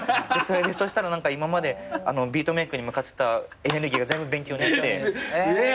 そしたら今までビートメイクに向かってたエネルギーが全部勉強にいって。